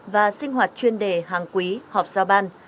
và sinh hoạt chuyên đề hàng quý họp giao ban